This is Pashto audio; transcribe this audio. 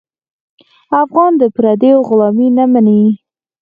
افغان د پردیو غلامي نه مني.